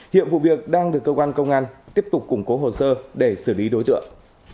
hiện vụ việc đang được cơ quan công an tiếp tục củng cố hồ sơ để xử lý đối tượng